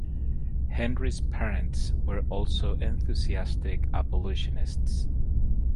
Henry's parents were also enthusiastic abolitionists.